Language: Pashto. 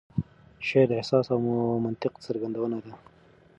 شعر د احساس او منطق څرګندونه ده.